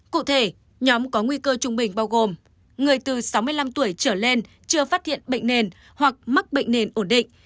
cụ thể nhóm có nguy cơ trung bình bao gồm người từ sáu mươi năm tuổi trở lên chưa phát hiện bệnh nền hoặc mắc bệnh nền ổn định